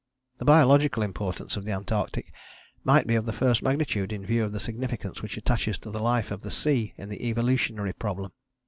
The biological importance of the Antarctic might be of the first magnitude in view of the significance which attaches to the life of the sea in the evolutionary problem.